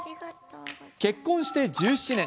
結婚して１７年。